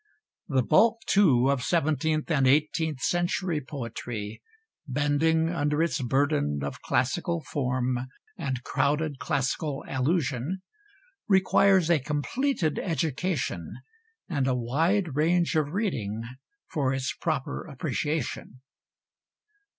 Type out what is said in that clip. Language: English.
The bulk, too, of seventeenth and eighteenth century poetry, bending under its burden of classical form and crowded classical allusion, requires a completed education and a wide range of reading for its proper appreciation.